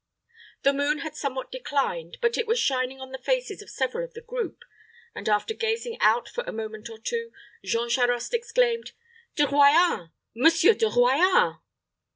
The moon had somewhat declined; but it was shining on the faces of several of the group; and, after gazing out for a moment or two, Jean Charost exclaimed, "De Royans Monsieur De Royans!"